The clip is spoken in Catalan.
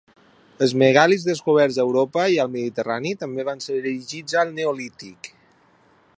Els megàlits descoberts a Europa i al Mediterrani també van ser erigits al Neolític.